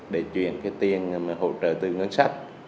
để chuyển tiền hỗ trợ từ ngân sách